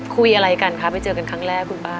คุยอะไรกันคะไปเจอกันครั้งแรกคุณป้า